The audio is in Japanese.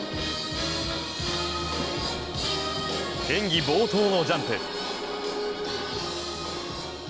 演技冒頭のジャンプ。